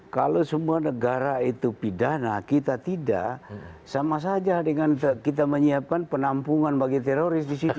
kalau semua negara itu pidana kita tidak sama saja dengan kita menyiapkan penampungan bagi teroris di situ